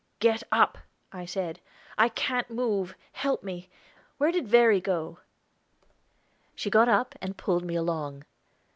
"Get up," I said. "I can't move; help me. Where did Verry go?" She got up, and pulled me along.